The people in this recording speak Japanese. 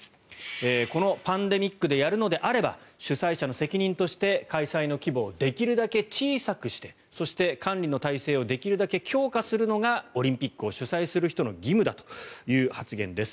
このパンデミックでやるのであれば主催者の責任として開催の規模をできるだけ小さくしてそして管理の体制をできるだけ強化するのがオリンピックを主催する人の義務だという発言です。